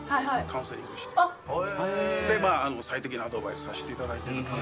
まあ最適なアドバイスさせていただいているので。